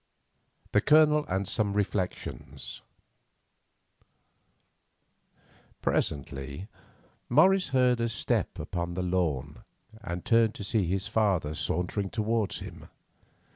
THE COLONEL AND SOME REFLECTIONS Presently Morris heard a step upon the lawn, and turned to see his father sauntering towards him.